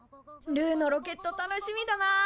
ルーのロケット楽しみだなあ。